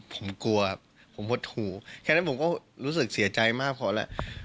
ผมกลัวครับผมหดหูแค่นั้นผมก็รู้สึกเสียใจมากพอแล้ว